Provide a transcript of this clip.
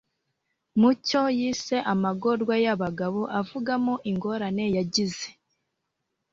mucyo yise amagorwa y'abagabo avugamo ingorane yagize